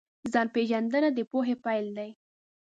ځان پېژندنه د پوهې پیل دی.